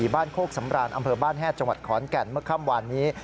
โคกสำราญอำเภอบ้านแฮดจังหวัดขอนแก่นเมื่อค่ำวานนี้